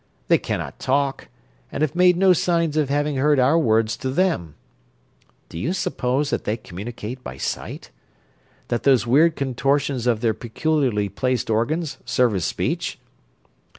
They cannot talk, and have made no signs of having heard our words to them do you suppose that they communicate by sight? That those weird contortions of their peculiarly placed organs serve as speech?"